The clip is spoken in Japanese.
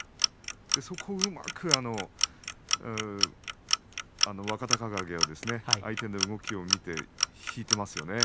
そこをうまく若隆景は相手の動きを見て引いていますよね。